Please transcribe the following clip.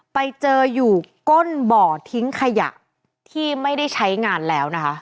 ไปเจออยู่ก้นบ่อทิ้งขยะที่ไม่ได้ใช้งานแล้วนะคะ